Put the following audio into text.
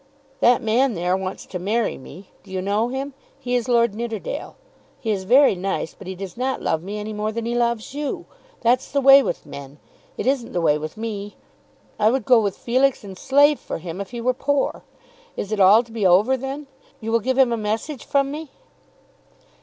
That man there wants to marry me. Do you know him? He is Lord Nidderdale. He is very nice; but he does not love me any more than he loves you. That's the way with men. It isn't the way with me. I would go with Felix and slave for him if he were poor. Is it all to be over then? You will give him a message from me?"